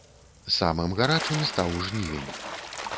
Самым гарачым стаў жнівень.